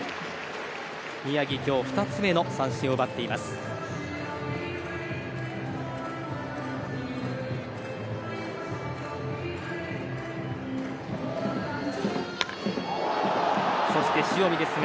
宮城、今日２つ目の三振を奪っています。